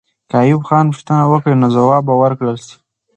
که ایوب خان پوښتنه وکړي، نو ځواب به ورکړل سي.